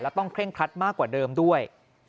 ต้องเร่งครัดมากกว่าเดิมด้วย